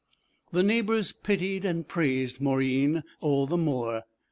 The neighbours pitied and praised Mauryeen all the more.